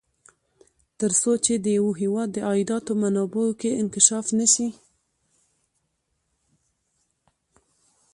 تر څو چې د یوه هېواد د عایداتو منابعو کې انکشاف نه شي.